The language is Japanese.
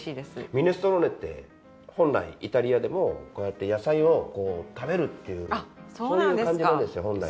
ミネストローネって本来イタリアでもこうやって野菜を食べるっていうそういう感じなんですよ本来は。